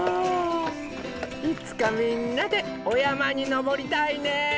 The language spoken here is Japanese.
いつかみんなでおやまにのぼりたいね。